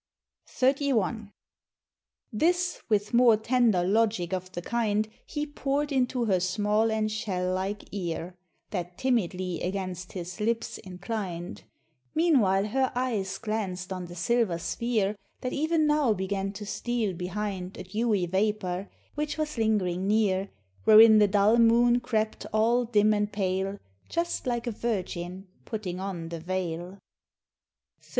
XXXI. This, with more tender logic of the kind, He pour'd into her small and shell like ear, That timidly against his lips inclin'd; Meanwhile her eyes glanced on the silver sphere That even now began to steal behind A dewy vapor, which was lingering near, Wherein the dull moon crept all dim and pale, Just like a virgin putting on the veil: XXXII.